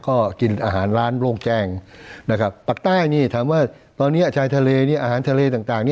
ก็กินอาหารร้านโล่งแจ้งนะครับปากใต้นี่ถามว่าตอนนี้ชายทะเลอาหารทะเลต่าง